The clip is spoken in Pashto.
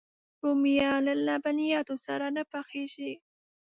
رومیان له لبنیاتو سره نه پخېږي